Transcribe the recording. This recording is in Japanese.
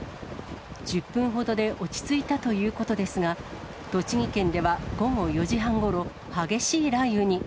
１０分ほどで落ち着いたということですが、栃木県では午後４時半ごろ、激しい雷雨に。